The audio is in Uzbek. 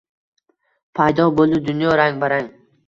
Paydo boʼldi dunyo rang-barang